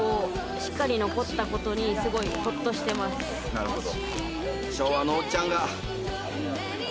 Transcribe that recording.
・なるほど。